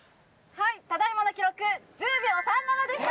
はいただいまの記録１０秒３７でした！